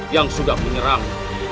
yang sudah menyerang